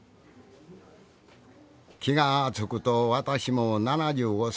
気が付くと私も７５歳。